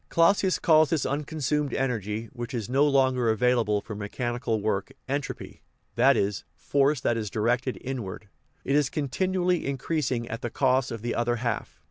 Clausius calls this unconsumed energy, which is no longer available for mechanical work, entropy (that is, force that is directed inward) ; it is continually in creasing at the cost of the other half.